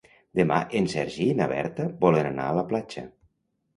Demà en Sergi i na Berta volen anar a la platja.